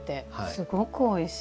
すごくおいしい。